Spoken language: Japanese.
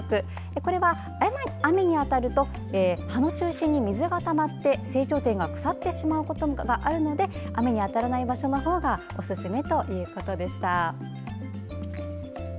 これは雨に当たると葉の中心に水がたまって生長点が腐ってしまうことがあるので雨に当たらない場所のほうがおすすめということでした。